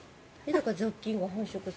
だから雑菌が繁殖する。